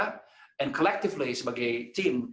dan secara kolektif sebagai tim